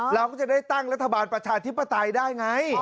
เราก็จะได้ตั้งรัฐบาลประชาธิปไตยได้ไง